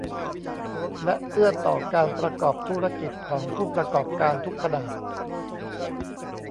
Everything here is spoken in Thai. และเอื้อต่อการประกอบธุรกิจของผู้ประกอบการทุกขนาด